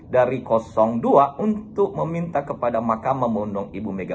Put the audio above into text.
dan juga kemampuan yang berbeda